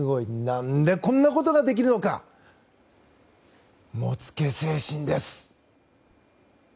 何でこんなことができるのか？もつけ精神です。